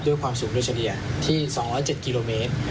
ด้วยความสูงโดยเฉลี่ยที่๒๐๗กิโลเมตร